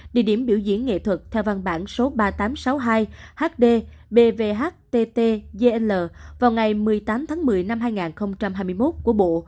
địa điểm biểu diễn nghệ thuật theo văn bản số ba nghìn tám trăm sáu mươi hai hd bvhtt gl vào ngày một mươi tám tháng một mươi năm hai nghìn hai mươi một của bộ